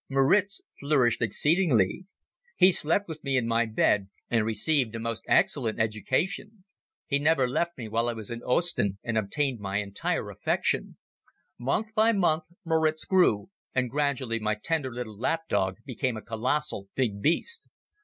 Moritz flourished exceedingly. He slept with me in my bed and received a most excellent education. He never left me while I was in Ostend and obtained my entire affection. Month by month Moritz grew, and gradually my tender little lap dog became a colossal, big beast.